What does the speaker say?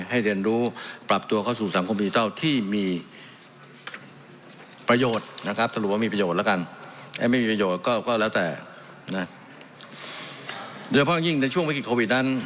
นะเดี๋ยวเพราะยังยิ่งในช่วงเวลากิจโควิดนั้น